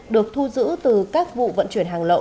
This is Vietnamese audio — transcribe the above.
được thu giữ từ các vụ vận chuyển hàng lậu